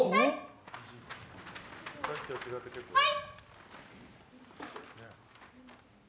はい！